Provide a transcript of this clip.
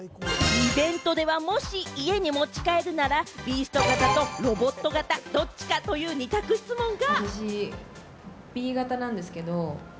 イベントではもし家に持ち帰るなら、ビースト型とロボット型、どっちか？という二択質問が。